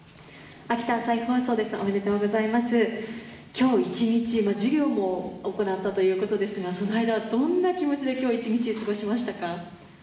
今日一日、授業も行ったということですが、その間はどんな気持ちで今日一日過ごしましたか？